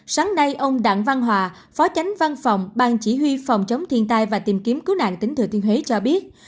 sáng nay ông đảng văn hòa phó chánh văn phòng ban chỉ huy phòng chống thiên tai và tìm kiếm cứu nạn tính thừa thiên huế cho biết